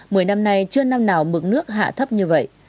mười năm nay chưa năm nào mực nước hạ thấp như vậy